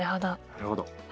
なるほど。